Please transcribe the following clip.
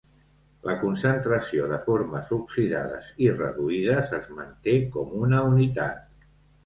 La concentració de formes oxidades i reduïdes es manté com una unitat.